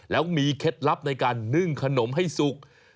แล้วมีเคล็ดลับในการนึ่งขนมให้สุก